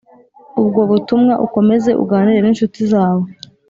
ubwo butumwa ukomeze uganire n incuti zawe